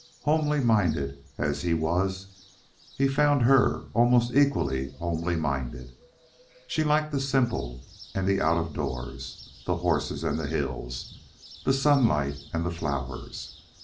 Homely minded as he was himself, he found her almost equally homely minded. She liked the simple and the out of doors, the horses and the hills, the sunlight and the flowers.